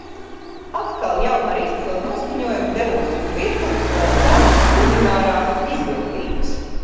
Atkal jau ar izcilu noskaņojumu devos uz virtuvi, lai sāktu kulinārās izvirtības.